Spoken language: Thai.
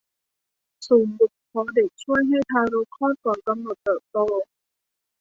ศูนย์บ่มเพาะเด็กช่วยให้ทารกคลอดก่อนกำหนดเติบโต